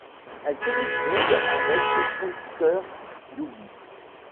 Elle commute donc avec le foncteur d'oubli.